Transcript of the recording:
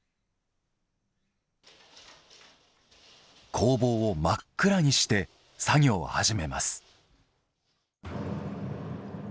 工房を真っ暗にして作業を始めます。